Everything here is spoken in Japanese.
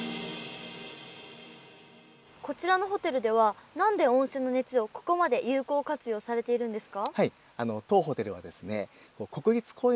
こちらのホテルでは何で温泉の熱をここまで有効活用されているんですか？